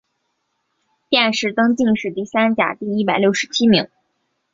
殿试登进士第三甲第一百六十七名。